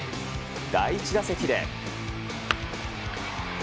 第１打席で。